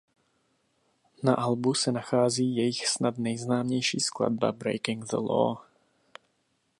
Na albu se nachází jejich snad nejznámější skladba Breaking the Law.